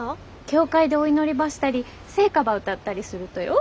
教会でお祈りばしたり聖歌ば歌ったりするとよ。